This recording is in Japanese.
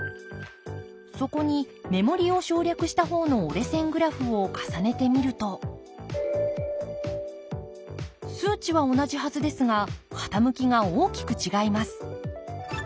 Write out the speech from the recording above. そこに目盛りを省略した方の折れ線グラフを重ねてみると数値は同じはずですが傾きが大きく違います。